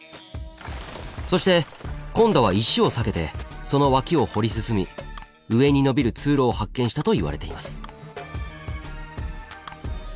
そして今度は石を避けてその脇を掘り進み上にのびる通路を発見したといわれています。